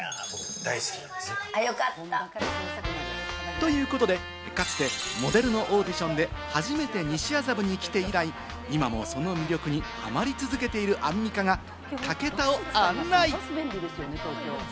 ということで、かつてモデルのオーディションで初めて西麻布に来て以来、今もその魅力にハマり続けているアンミカは、武田を案内。